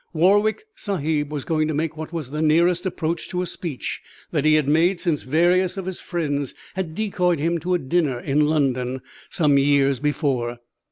Warwick Sahib was going to make what was the nearest approach to a speech that he had made since various of his friends had decoyed him to a dinner in London some years before.